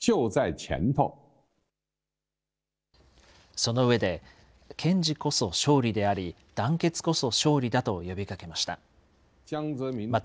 その上で、堅持こそ勝利であり、団結こそ勝利だと呼びかけました。